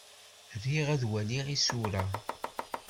Riɣ ad waliɣ isura.